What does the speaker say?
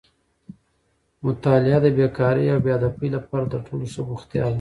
مطالعه د بېکارۍ او بې هدفۍ لپاره تر ټولو ښه بوختیا ده.